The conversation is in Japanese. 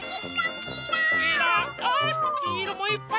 きいろもいっぱい。